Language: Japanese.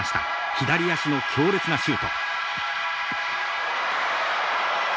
左足の強烈なシュート。